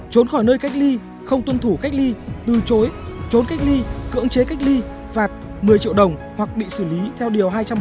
bảy trốn khỏi nơi cách ly không tuân thủ cách ly từ chối trốn cách ly cưỡng chế cách ly phạt một mươi triệu đồng hoặc bị xử lý theo điều hai trăm bốn mươi bộ luật hình sự